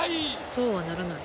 そうはならない。